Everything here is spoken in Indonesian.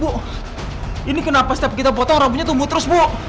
bu ini kenapa setiap kita potong rambunya tumbuh terus bu